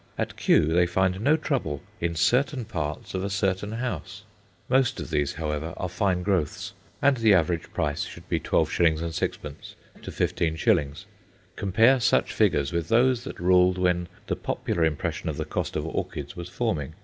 At Kew they find no trouble in certain parts of a certain house. Most of these, however, are fine growths, and the average price should be 12s. 6d. to 15s. Compare such figures with those that ruled when the popular impression of the cost of orchids was forming.